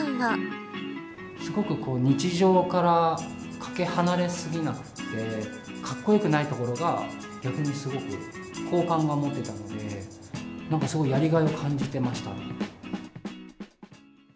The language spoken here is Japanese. すごく日常からかけ離れ過ぎなくて、かっこよくないところが、逆にすごく好感が持てたので、なんかすごい、やりがいを感じてましたね。